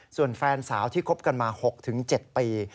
ส่วนแฟนสาวที่คบกันมา๖๗ปี